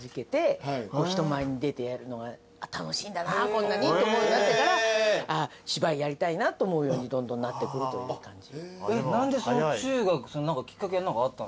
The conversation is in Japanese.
こんなにって思うようになってから。と思うようにどんどんなってくるという感じ。